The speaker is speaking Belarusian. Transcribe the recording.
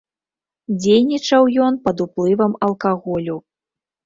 Дзейнічаў ён пад уплывам алкаголю.